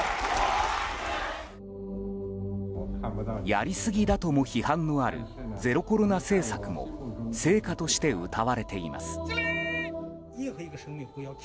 やりすぎだとも批判のあるゼロコロナ政策も成果としてうたわれています。